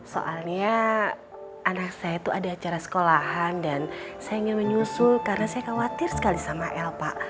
soalnya anak saya itu ada acara sekolahan dan saya ingin menyusul karena saya khawatir sekali sama elpa